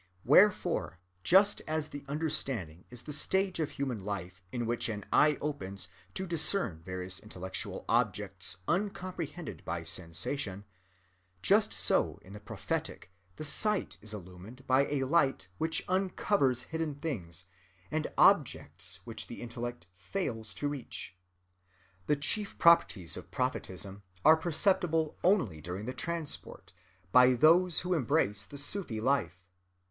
Wherefore, just as the understanding is a stage of human life in which an eye opens to discern various intellectual objects uncomprehended by sensation; just so in the prophetic the sight is illumined by a light which uncovers hidden things and objects which the intellect fails to reach. The chief properties of prophetism are perceptible only during the transport, by those who embrace the Sufi life.